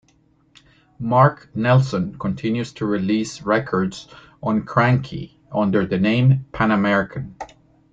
Mark Nelson continues to release records on Kranky under the name Pan American.